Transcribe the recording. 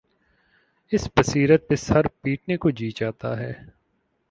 اس بصیرت پر سر پیٹنے کو جی چاہتا ہے۔